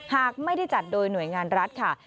หากไม่ได้จัดโดยหน่วยงานรัฐค่ะ